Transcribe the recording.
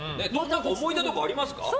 思い出とかありますか？